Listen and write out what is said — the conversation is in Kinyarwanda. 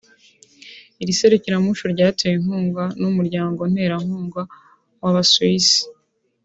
Iri serukiramuco ryatewe inkunga n’Umuryango nterankunga w’Abasuwisi